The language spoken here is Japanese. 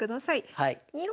はい。